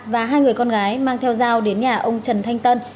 và hai người con gái mang theo dao đến nhà ông trần thanh tân